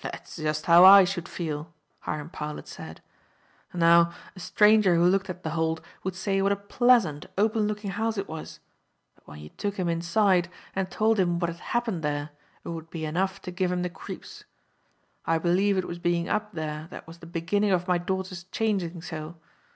"That's just how I should feel," Hiram Powlett said. "Now a stranger who looked at The Hold would say what a pleasant, open looking house it was; but when you took him inside, and told him what had happened there, it would be enough to give him the creeps. I believe it was being up there that was the beginning of my daughter's changing so.